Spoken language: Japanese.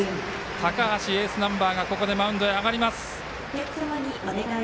高橋エースナンバーがここでマウンドに上がります。